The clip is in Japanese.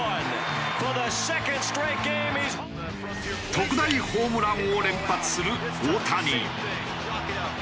特大ホームランを連発する大谷。